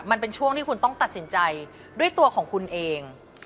มันเป็นช่วงที่คุณต้องตัดสินใจด้วยตัวของคุณเอง